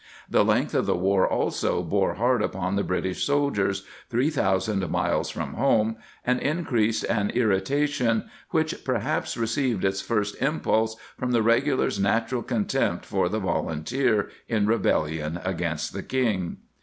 The length I "of the war, also, bore hard upon the British sol diers, three thousand miles from home, and in creased an irritation which perhaps received its , first impulse from the regular's natural contempt for the volunteer in rebellion against the King.